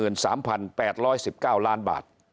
นี่กระทรวงกลาโหม๑๙๙ล้านบาท